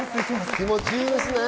気持ちいいですね。